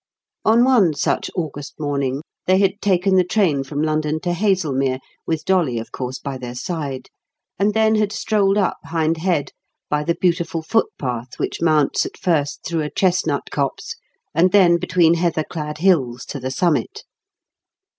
On one such August morning, they had taken the train from London to Haslemere, with Dolly of course by their side, and then had strolled up Hind Head by the beautiful footpath which mounts at first through a chestnut copse, and then between heather clad hills to the summit.